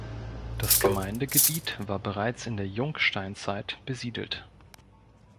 Das Gemeindegebiet war bereits in der Jungsteinzeit besiedelt.